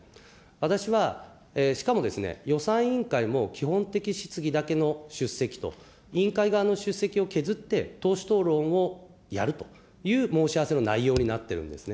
私は、しかも予算委員会も、基本的質疑だけの出席と、委員会側の出席を削って、党首討論をやるという申し合わせの内容になっているんですね。